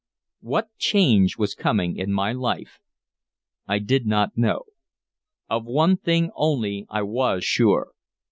What change was coming in my life? I did not know. Of one thing only I was sure.